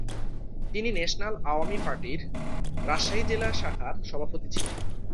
তিনি ন্যাশনাল আওয়ামী পার্টির রাজশাহী জেলা শাখার সভাপতি ছিলেন।